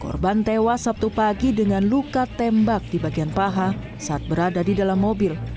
korban tewas sabtu pagi dengan luka tembak di bagian paha saat berada di dalam mobil